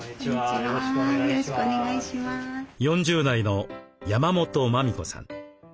４０代の山本磨美子さん。